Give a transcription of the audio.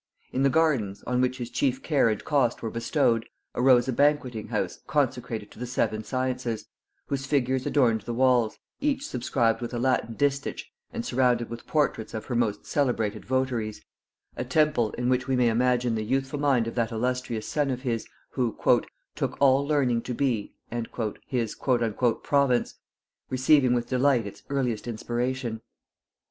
In the gardens, on which his chief care and cost were bestowed, arose a banqueting house consecrated to the seven Sciences, whose figures adorned the walls, each subscribed with a Latin distich and surrounded with portraits of her most celebrated votaries; a temple in which we may imagine the youthful mind of that illustrious son of his, who "took all learning to be" his "province," receiving with delight its earliest inspiration!